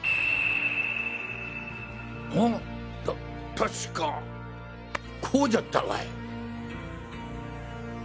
確かこうじゃったわい！